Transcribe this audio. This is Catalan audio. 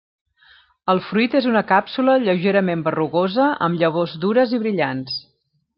El fruit és una càpsula lleugerament berrugosa amb llavors dures i brillants.